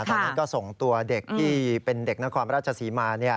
ตอนนั้นก็ส่งตัวเด็กที่เป็นเด็กนครราชศรีมา